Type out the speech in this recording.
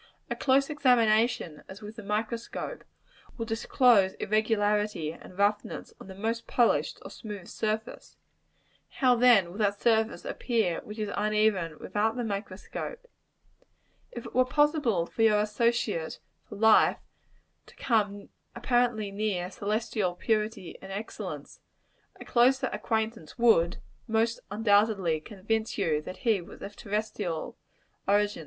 A close examination, as with the microscope, will disclose irregularity and roughness on the most polished or smooth surface: how then will that surface appear which is uneven without the microscope? If it were possible for your associate for life to come apparently near celestial purity and excellence, a closer acquaintance would, most undoubtedly, convince you that he was of terrestrial origin.